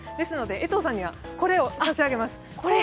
江藤さんにはこれを差し上げます。